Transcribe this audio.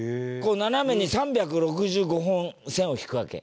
斜めに３６５本線を引くわけ。